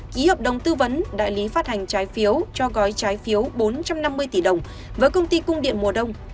ký hợp đồng tư vấn đại lý phát hành trái phiếu cho gói trái phiếu bốn trăm năm mươi tỷ đồng với công ty cung điện mùa đông